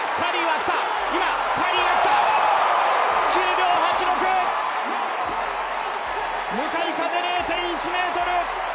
９秒８６、向かい風０．１ｍ。